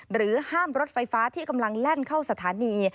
ห้ามรถไฟฟ้าที่กำลังแล่นเข้าสถานี